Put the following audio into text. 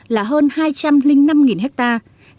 là hơn hai trăm linh năm hectare